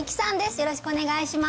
よろしくお願いします